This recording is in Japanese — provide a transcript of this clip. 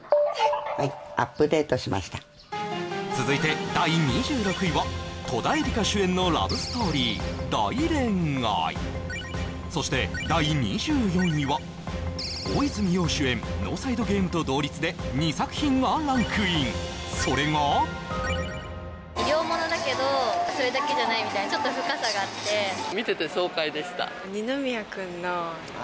はいアップデートしました続いて第２６位は戸田恵梨香主演のラブストーリー「大恋愛」そして第２４位は大泉洋主演「ノーサイド・ゲーム」と同率で２作品がランクインそれがそれだけじゃないみたいなちょっと深さがあってえっ？